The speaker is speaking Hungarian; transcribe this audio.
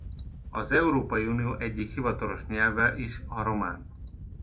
Az Európai Unió egyik hivatalos nyelve is a román.